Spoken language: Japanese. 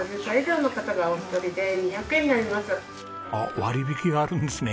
あっ割引があるんですね。